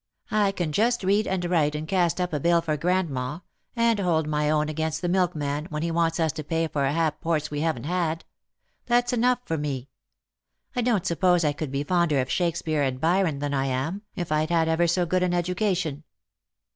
I can just read and write and cast up a bill for grandma, and hold my own against the milkman when he wants us to pay for ha'porths we haven't had. That's enough for me. I don't suppose I could be fonder of Shake speare and Byron than I am, if I'd had ever so good an edu cation."